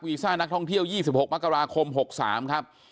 ซ่านักท่องเที่ยว๒๖มกราคม๖๓ครับ